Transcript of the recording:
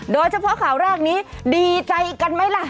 โดยเฉพาะข่าวแรกนี้ดีใจกันไหมล่ะ